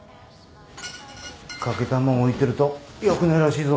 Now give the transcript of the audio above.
欠けたもん置いてるとよくないらしいぞ。